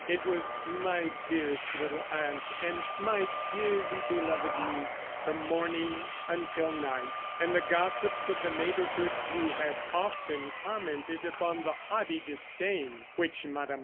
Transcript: It was "my dearest little aunt," and "my dearly beloved niece," from morning until night; and the gossips of the neighborhood, who had often commented upon the haughty disdain which Mme.